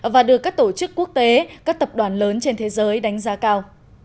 và được các tổ chức quốc tế các tập đoàn lớn trên thế giới đánh giá cao